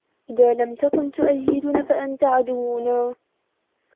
إذا لم تكن تؤيدنا فأنت عدونا.